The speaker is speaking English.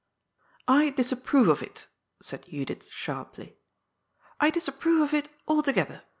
" I disapprove of it," said Judith sharply —" I disapprove of it altogether.